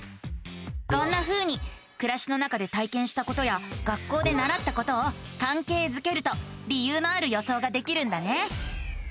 こんなふうにくらしの中で体験したことや学校でならったことをかんけいづけると理由のある予想ができるんだね。